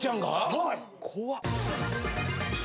はい。